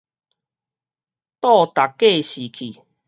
倒踏計時器